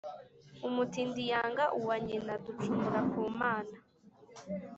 umutindi yanga uwa nyina. ducumura ku mana